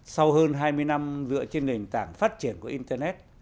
sau hơn hai mươi năm dựa trên nền tảng phát triển của internet